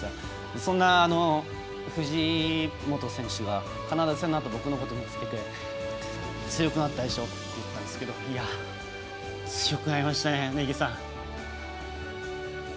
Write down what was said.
そんな藤本選手がカナダ戦のあと僕のこと見つけて強くなったでしょって言ったんですけど強くなりましたね、根木さん。